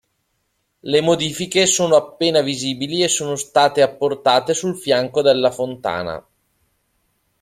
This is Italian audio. Le modifiche sono appena visibili e sono state apportate sul fianco della fontana.